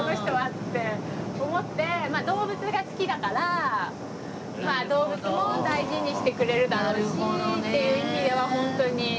動物が好きだから動物も大事にしてくれるだろうしっていう意味ではホントに。